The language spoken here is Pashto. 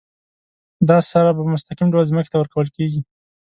دا سره په مستقیم ډول ځمکې ته ورکول کیږي.